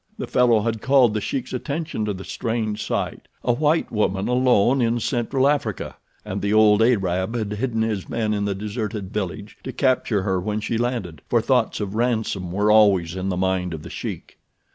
The fellow had called The Sheik's attention to the strange sight—a white woman alone in Central Africa and the old Arab had hidden his men in the deserted village to capture her when she landed, for thoughts of ransom were always in the mind of The Sheik.